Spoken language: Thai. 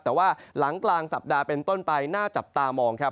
แต่ว่าหลังกลางสัปดาห์เป็นต้นไปน่าจับตามองครับ